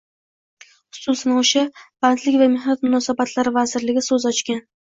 xususan o‘sha — Bandlik va mehnat munosabatlari vazirligi so‘z ochgan